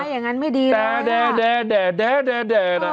อย่างนั้นไม่ดีแล้วแด่